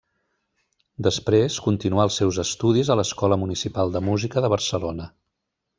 Després continuà els seus estudis a l'Escola Municipal de Música de Barcelona.